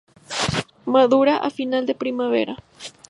Madura a final de primavera.